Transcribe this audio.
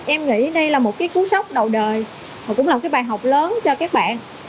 em nghĩ đây là một cái cú sốc đầu đời và cũng là một cái bài học lớn cho các bạn